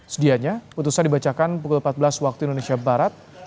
sedianya putusan dibacakan pukul empat belas waktu indonesia barat